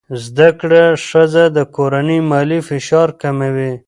زده کړه ښځه د کورنۍ مالي فشار کموي.